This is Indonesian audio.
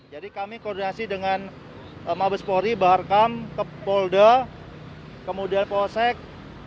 jadi kami koordinasi dengan mabes polri baharkam kepolda kemudian polsek